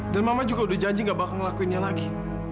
dan mama juga udah janji nggak bakal ngelakuin lagi